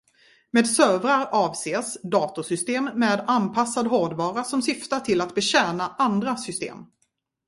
Med servrar avses datorsystem med anpassad hårdvara som syftar till att betjäna andra system.